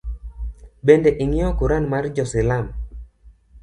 Bende ing’eyo kuran mar jo silam